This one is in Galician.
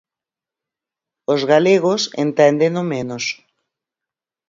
Os galegos enténdeno menos.